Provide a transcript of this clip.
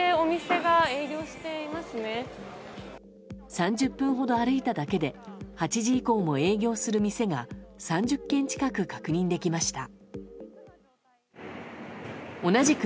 ３０分ほど歩いただけで８時以降も営業する店が３０軒近く確認できました。